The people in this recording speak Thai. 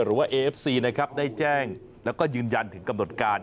เอฟซีนะครับได้แจ้งแล้วก็ยืนยันถึงกำหนดการ